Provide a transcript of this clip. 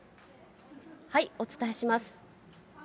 お伝えします。